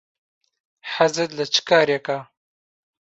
حەزت لە چ کارێکە؟